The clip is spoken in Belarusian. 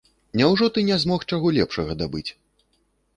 Няўжо ты не змог чаго лепшага дабыць?